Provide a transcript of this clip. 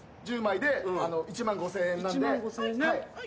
１０枚で１万５，０００円なんで。